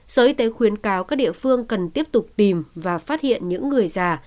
sở y tế khuyến cáo các địa phương cần tiếp tục tìm và phát hiện những người già